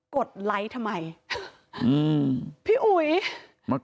กลุ่มวัยรุ่นฝั่งพระแดง